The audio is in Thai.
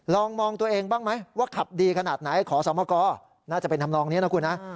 ลองมองตัวเองบ้างไหมว่าขับดีขนาดไหนขอสมกรน่าจะเป็นทำนองนี้นะคุณนะ